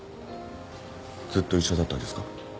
ずっと一緒だったんですか？